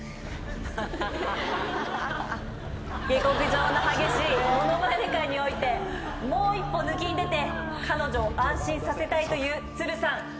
下克上の激しい物まね界においてもう一歩抜きんでて彼女を安心させたいという都留さん。